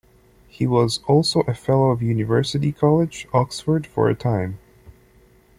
He was also a Fellow of University College, Oxford for a time.